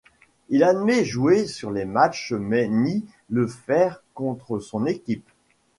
Il admet jouer sur les matchs mais nie le faire contre son équipe.